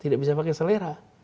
tidak bisa pakai selera